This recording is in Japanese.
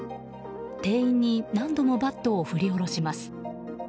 店員に何度もバットを振り下ろします。